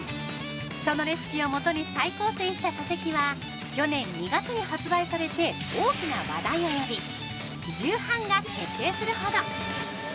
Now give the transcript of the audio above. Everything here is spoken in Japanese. そのレシピを元に再構成した書籍は、去年２月に発売されて大きな話題を呼び、重版が決定するほど！